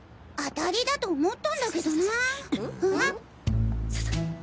当たりだと思ったんだけどなぁ。